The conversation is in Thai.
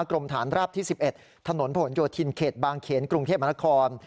กรมฐานราบที่๑๑ถนนผลโยธินเขตบางเขนกรุงเทพมนาคม